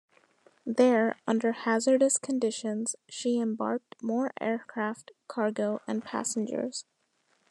There, under hazardous conditions, she embarked more aircraft, cargo and passengers.